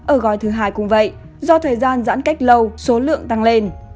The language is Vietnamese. ở gói thứ hai cũng vậy do thời gian giãn cách lâu số lượng tăng lên